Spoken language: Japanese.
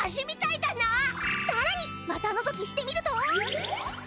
さらにまたのぞきしてみると。